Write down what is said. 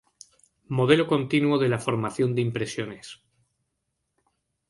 Modelo continuo de la formación de impresiones.